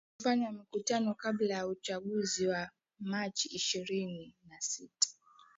kufanya mikutano kabla ya uchaguzi wa machi ishirini na sita